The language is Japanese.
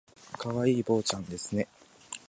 可愛い坊ちゃんですね